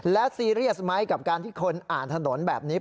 และซีเรียสไหมกับการที่คนอ่านถนนแบบนี้